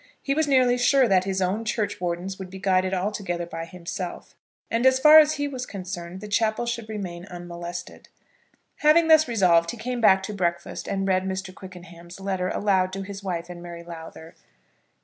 He was nearly sure that his own churchwardens would be guided altogether by himself, and as far as he was concerned the chapel should remain unmolested. Having thus resolved he came back to breakfast and read Mr. Quickenham's letter aloud to his wife and Mary Lowther.